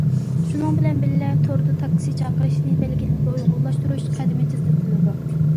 شۇنىڭ بىلەن بىللە، توردا تاكسى چاقىرىشنى بەلگىلىمىگە ئۇيغۇنلاشتۇرۇش قەدىمى تېزلىتىلىدۇ.